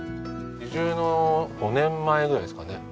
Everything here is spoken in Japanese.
移住の５年前ぐらいですかね。